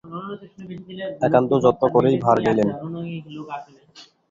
একান্ত যত্ন করেই ভার নিলেন।